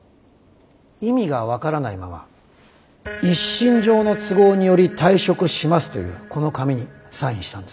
意味が分からないまま「一身上の都合により退職します」というこの紙にサインしたんですか？